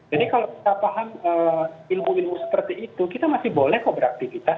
jadi kalau kita paham ilmu ilmu seperti itu kita masih boleh kalau beraktivitas